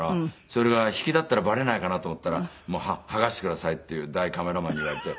それが引きだったらバレないかなと思ったら剥がしてくださいっていうカメラマンに言われて。